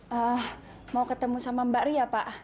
hmm mau ketemu sama mbak ria pak